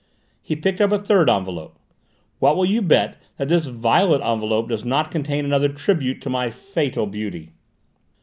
He picked up a third envelope. "What will you bet that this violet envelope does not contain another tribute to my fatal beauty?"